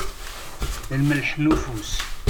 Lmelḥ n ufus.